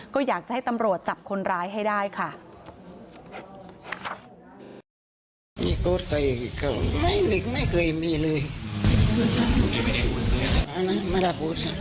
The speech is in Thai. ก็อยากจะให้ตำรวจจับคนร้ายให้ได้ค่ะ